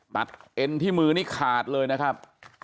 เอ็นที่มือนี่ขาดเลยนะครับ